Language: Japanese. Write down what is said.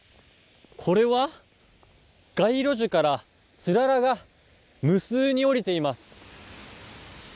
これは街路樹から、つららが無数におりています。